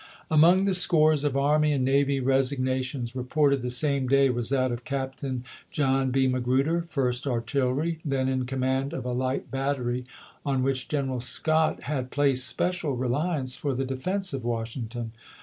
^ Among the scores of army and navy resigna tions reported the same day was that of Captain John B. Magruder, 1st Artillery, then in command of a light battery on which General Scott had placed special reUance for the defense of Washing ton.